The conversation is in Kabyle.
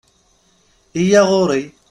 Iyya ɣuṛ-i!